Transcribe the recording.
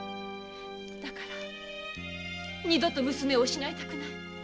だから二度と娘を失いたくない。